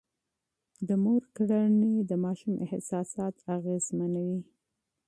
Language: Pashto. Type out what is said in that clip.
د مور چلند د ماشوم احساسات اغېزمنوي.